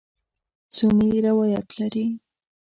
سنې روایت لري.